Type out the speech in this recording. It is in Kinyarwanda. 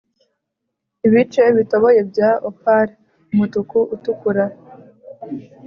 ibice bitoboye bya opal, umutuku utukura;